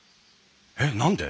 えっ何で？